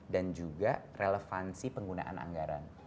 dan juga relevansi penggunaan anggaran